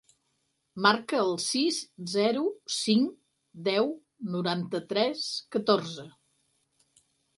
Marca el sis, zero, cinc, deu, noranta-tres, catorze.